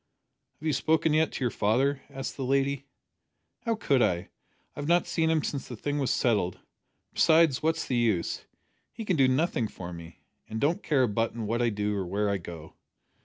"Have you spoken yet to your father?" asked the lady. "How could I? I've not seen him since the thing was settled. Besides, what's the use? He can do nothing for me, an' don't care a button what I do or where I go."